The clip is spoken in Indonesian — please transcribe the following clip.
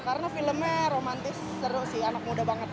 karena filmnya romantis seru sih anak muda banget